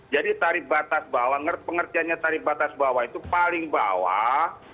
jadi tarif batas bawah pengertiannya tarif batas bawah itu paling bawah